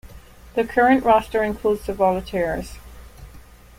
The current roster includes The Voltaires.